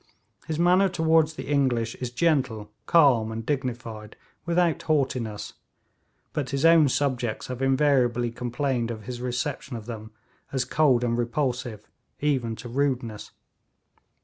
His manner toward the English is gentle, calm and dignified, without haughtiness, but his own subjects have invariably complained of his reception of them as cold and repulsive, even to rudeness.